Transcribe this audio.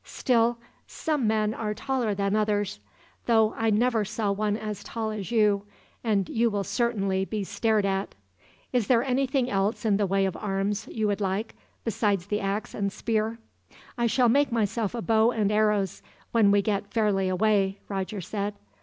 Still, some men are taller than others; though I never saw one as tall as you, and you will certainly be stared at. "Is there anything else in the way of arms you would like, beside the ax and spear?" "I shall make myself a bow and arrows, when we get fairly away," Roger said.